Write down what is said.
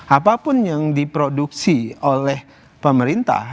apapun yang diproduksi oleh pemerintah